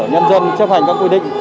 nhân dân chấp hành các quy định